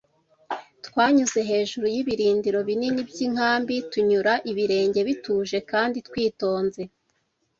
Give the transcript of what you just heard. Twanyuze hejuru y'ibirindiro binini by'inkambi, tunyura ibirenge bituje kandi twitonze,